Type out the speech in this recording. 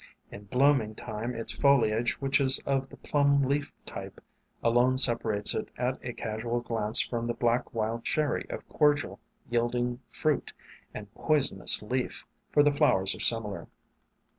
In blooming time its foliage, which is of the plum leaf type, alone separates it at a casual glance from the Black 278 WAYFARERS Wild Cherry of cordial yielding fruit and poisonous leaf, for the flowers are similar.